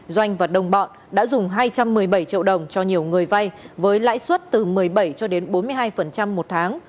doanh và đồng bọn đã dùng hai trăm một mươi bảy triệu đồng cho nhiều người vay với lãi suất từ một mươi bảy cho đến bốn mươi hai một tháng